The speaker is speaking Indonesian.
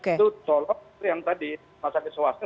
itu tolong yang tadi rumah sakit swasta